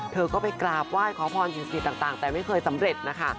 เธอก็ไปกราบไหว้ขอพรสิ่งต่างแต่ไม่เคยสำเร็จนะคะ